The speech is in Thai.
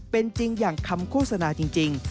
เป็นจริงอย่างคำโฆษณาจริง